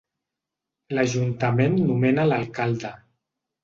L'ajuntament nomena l'alcalde.